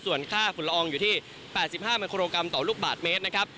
ส่วนค่าฝุ่นละอองอยู่ที่๘๕มิโครกรัมต่อลูกบาทเมตรนะครับ